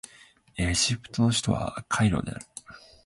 エジプトの首都はカイロである